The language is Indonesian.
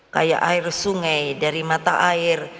kayak air sungai dari mata air